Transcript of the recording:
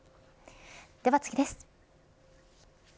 では次です。